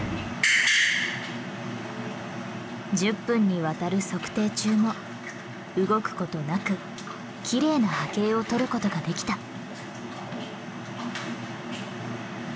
１０分にわたる測定中も動くことなくきれいな波形をとることができた。